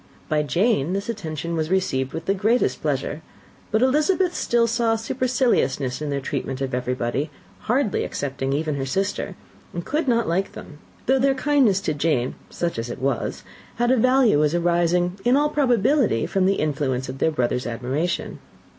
By Jane this attention was received with the greatest pleasure; but Elizabeth still saw superciliousness in their treatment of everybody, hardly excepting even her sister, and could not like them; though their kindness to Jane, such as it was, had a value, as arising, in all probability, from the influence of their brother's admiration.